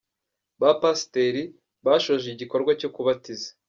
Ba pasteri bashoje igikorwa cyo kubatiza.